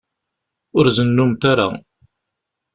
Ur zennumt ara.